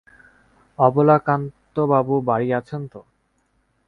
অবলাকান্তবাবু বাড়ি আছেন তো?